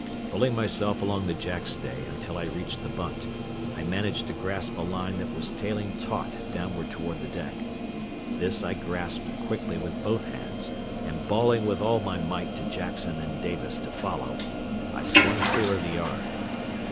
Pulling myself along the jackstay until I reached the bunt, I managed to grasp a line that was tailing taut downward toward the deck. This I grasped quickly with both hands, and bawling with all my might to Jackson and Davis to follow, I swung clear of the yard.